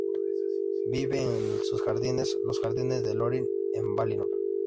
Vive en sus jardines, los Jardines de Lórien, en Valinor.